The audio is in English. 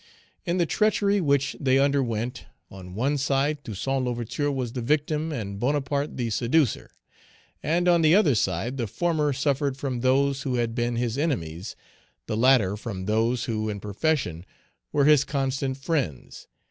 In the treachery which they underwent, on one side, Toussaint L'Ouverture was the victim and Bonaparte the seducer; and on the other side the former suffered from those who had been his enemies, the latter from those who in profession were his constant friends.